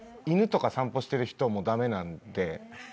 犬とか散歩してる人も駄目なんで。